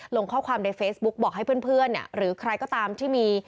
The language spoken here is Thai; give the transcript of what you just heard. ลงข้อความในเฟซบุ๊กบอกให้เพื่อนหรือใครก็ตามที่มี